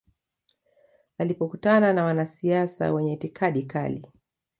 Alipokutana na wanasiasa wenye itikadi kali